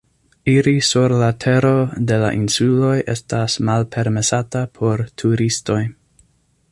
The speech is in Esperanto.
Iri sur la tero de la insuloj estas malpermesata por turistoj.